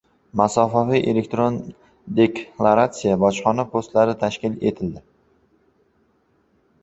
“Masofaviy elektron deklarasiyalash” bojxona postlari tashkil etiladi